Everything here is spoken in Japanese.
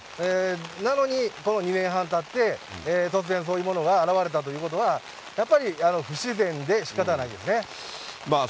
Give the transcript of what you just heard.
なのに、２年半たって、突然、そういうものが現れたということは、やっぱり不自然でしかたないですね。